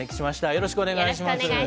よろしくお願いします。